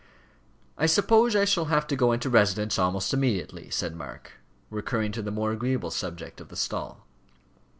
"I suppose I shall have to go into residence almost immediately," said Mark, recurring to the more agreeable subject of the stall.